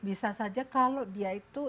bisa saja kalau dia itu